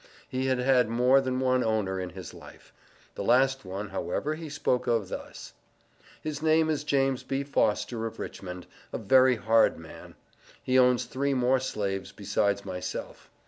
He had had more than one owner in his life. The last one, however, he spoke of thus: "His name is James B. Foster, of Richmond, a very hard man. He owns three more Slaves besides myself."